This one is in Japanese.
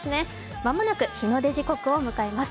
間もなく日の出時刻を迎えます。